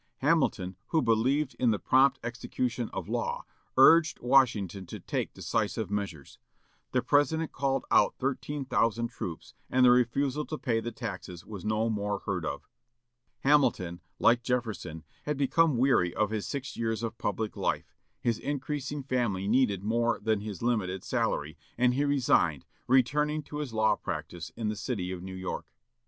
Hamilton, who believed in the prompt execution of law, urged Washington to take decisive measures. The President called out thirteen thousand troops, and the refusal to pay the taxes was no more heard of. Hamilton, like Jefferson, had become weary of his six years of public life; his increasing family needed more than his limited salary, and he resigned, returning to his law practice in the city of New York.